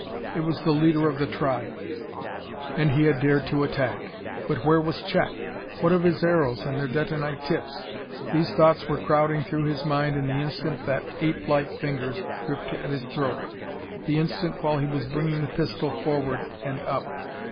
It was the leader of the tribe, and he had dared to attack. But where was Chet? What of his arrows and their detonite tips? These thoughts were crowding through his mind in the instant that ape like fingers gripped at his throat the instant while he was bringing the pistol forward and up.